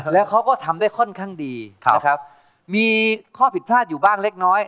แล้วเขาก็ทำได้ค่อนข้างดีนะครับมีข้อผิดพลาดอยู่บ้างเล็กน้อย